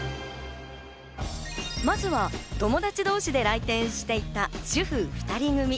まずは友達同士で来店していた主婦２人組。